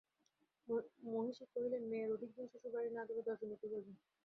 মহিষী কহিলেন, মেয়ে অধিক দিন শ্বশুরবাড়ি না গেল দশজনে কী বলবে?